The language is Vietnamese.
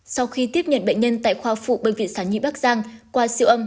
sau khi tiếp nhận bệnh nhân tại khoa phụ bệnh viện sản nhi bắc giang qua siêu âm